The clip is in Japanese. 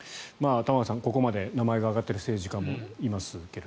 玉川さん、ここまで名前が挙がっている政治家もいますが。